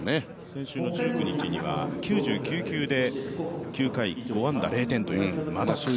先週の１９日には９９球で９回５安打０点という、マダックスを。